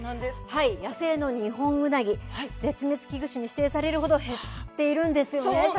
野生のニホンウナギ絶滅危惧種に指定されるほど減っているんです。